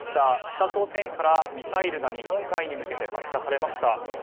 北朝鮮からミサイルが日本海に向けて発射されました。